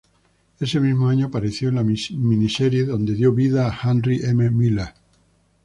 Ese mismo año apareció en la miniserie donde dio vida a Harry M. Miller.